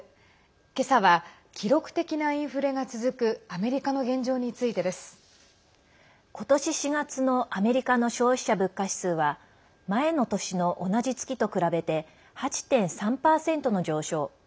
けさは、記録的なインフレが続くアメリカの現状についてです。ことし４月のアメリカの消費者物価指数は前の年の同じ月と比べて８．３％の上昇。